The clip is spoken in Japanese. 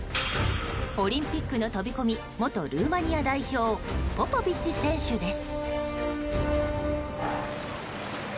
オリンピックの飛び込み元ルーマニア代表ポポビッチ選手です。